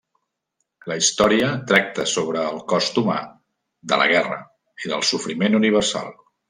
La història tracta sobre el cost humà de la guerra i del sofriment universal.